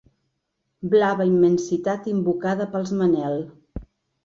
Blava immensitat invocada pels Manel.